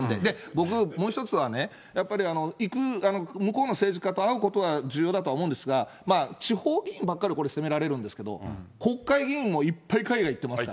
僕、もう１つはね、行く、向こうの政治家と会うことが重要だとは思うんですが、地方議員ばっかりこれ責められるんですけど、国会議員もいっぱい海外行ってますから。